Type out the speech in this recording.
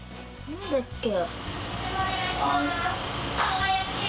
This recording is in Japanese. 何だっけ？